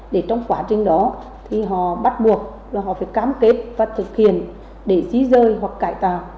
để trong quá trình đó thì họ bắt buộc là họ phải cám kết và thực hiện để dí rơi hoặc cải tạo